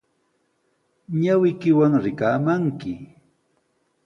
Ñawiykiwan rikaamanki